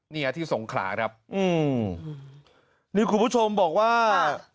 เนี่ยที่สงขลาครับอืมนี่คุณผู้ชมบอกว่า